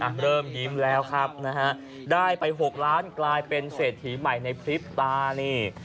เริ่มยิ้มแล้วครับนะฮะได้ไปหกล้านกลายเป็นเศรษฐีใหม่ในพริบตานี่